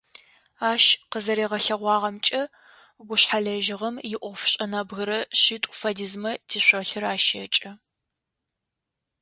Ащ къызэригъэлъэгъуагъэмкӏэ, гушъхьэлэжьыгъэм иӏофышӏэ нэбгырэ шъитӏу фэдизмэ тишъолъыр ащэкӏэ.